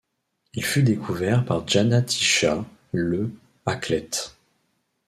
Il fut découvert par Jana Tichá le à Klet'.